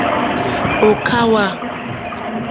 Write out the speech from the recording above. Ò kàwà.